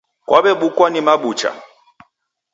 Kwaw'ebukwa ni mabucha.